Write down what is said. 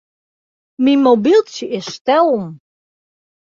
Myn mobyltsje is stellen.